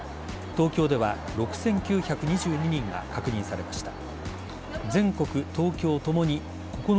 東京では６９２２人が確認されました。